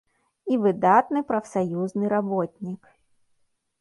І выдатны прафсаюзны работнік.